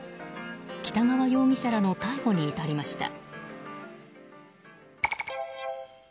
北川容疑者らの逮捕に至りました。